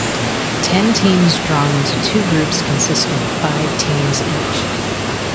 Ten teams drawn into two groups consisting of five teams each.